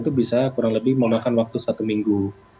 itu bisa kurang lebih memakan waktu satu minggu